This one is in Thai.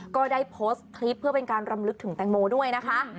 ก็ได้โพสต์คลิปเพื่อเป็นการรำลึกถึงแตงโมด้วยนะคะ